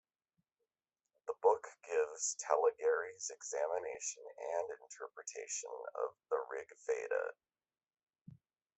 The book gives Talageri's examination and interpretation of the Rig Veda.